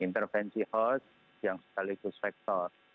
intervensi host yang sekaligus faktor